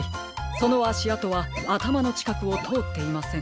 そのあしあとはあたまのちかくをとおっていません。